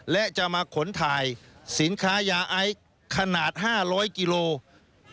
และจะมาขนถ่ายสินค้ายาไอซ์ขนาด๕๐๐กิโลกรัม